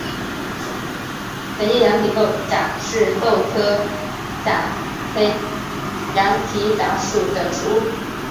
粉叶羊蹄甲是豆科羊蹄甲属的植物。